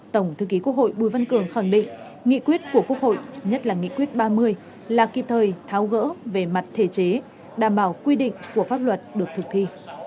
tổng thư ký quốc hội bùi văn cường khẳng định nghị quyết của quốc hội nhất là nghị quyết ba mươi là kịp thời tháo gỡ về mặt thể chế đảm bảo quy định của pháp luật được thực thi